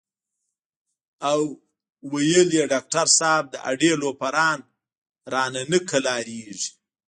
او وې ئې " ډاکټر صېب د اډې لوفران رانه نۀ قلاریږي